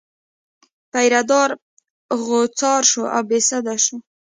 پیره دار غوځار شو او بې سده شو.